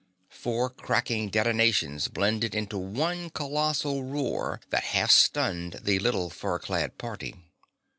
Four cracking detonations blended into one colossal roar that half stunned the little fur clad party.